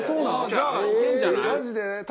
「じゃあいけるんじゃない？」